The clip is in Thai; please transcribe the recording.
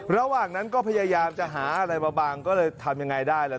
ระหว่างนั้นก็พยายามจะหาอะไรมาบังก็เลยทำยังไงได้ล่ะ